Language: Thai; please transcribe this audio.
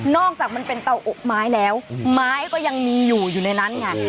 อกจากมันเป็นเตาอกไม้แล้วไม้ก็ยังมีอยู่อยู่ในนั้นไง